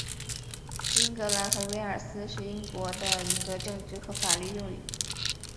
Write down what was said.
英格兰和威尔斯是英国的一个政治和法律用语。